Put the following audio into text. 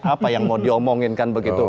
apa yang mau diomongin kan begitu